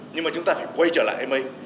nhưng mà chúng ta phải quay trở lại với mei